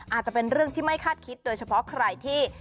อาจจะเป็นเรื่องที่ไม่คาดคิดโดยเฉพาะใครที่